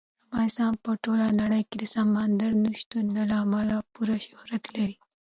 افغانستان په ټوله نړۍ کې د سمندر نه شتون له امله پوره شهرت لري.